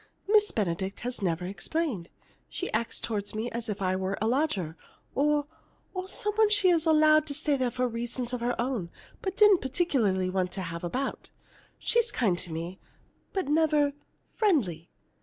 Miss Benedict has never explained. She acts toward me as if I were a lodger, or or some one she allowed to stay there for reasons of her own, but didn't particularly want to have about. She's kind to me, but never friendly.